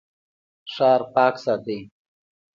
ښار پاک ساتئ